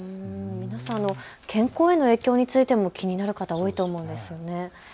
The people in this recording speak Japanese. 皆さん、健康への影響についても気になる方、多いと思うんですね。